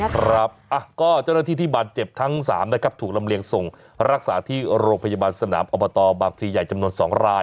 ครับก็เจ้าหน้าที่ที่บาดเจ็บทั้ง๓นะครับถูกลำเลียงส่งรักษาที่โรงพยาบาลสนามอบตบางพลีใหญ่จำนวน๒ราย